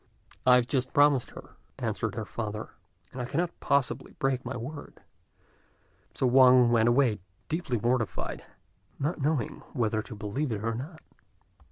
"I have just promised her," answered her father, "and I cannot possibly break my word;" so Wang went away, deeply mortified, not knowing whether to believe it or not.